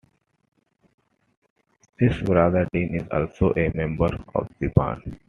Ed's brother Dean is also a member of the band.